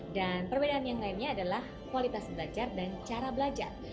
dan perbedaan yang lainnya adalah kualitas belajar dan cara belajar